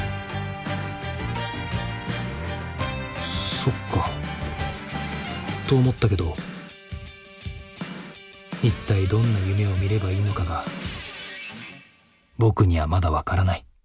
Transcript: そっかと思ったけど一体どんな夢をみればいいのかが僕にはまだわからない。